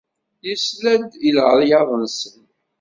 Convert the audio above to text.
Isla-d i leɛyaḍ-nsen.